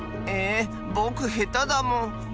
えぼくへただもん。